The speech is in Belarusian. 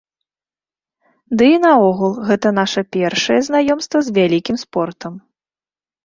Ды і наогул, гэта наша першае знаёмства з вялікім спортам.